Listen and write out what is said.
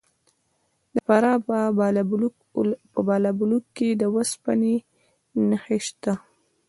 د فراه په بالابلوک کې د وسپنې نښې شته.